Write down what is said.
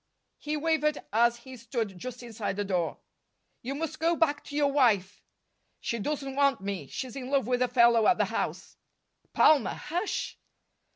He wavered as he stood just inside the door. "You must go back to your wife." "She doesn't want me. She's in love with a fellow at the house." "Palmer, hush!"